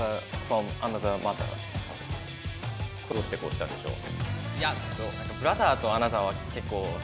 どうしてこうしたんでしょう？